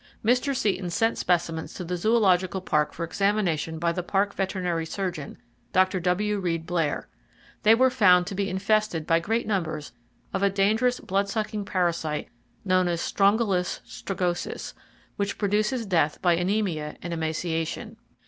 Mr. Seton sent specimens to the Zoological Park for examination by the Park veterinary surgeon, Dr. W. Reid Blair. They were found to be infested by great numbers of a dangerous bloodsucking parasite known as Strongylus strigosus, which produces death by anemia and emaciation.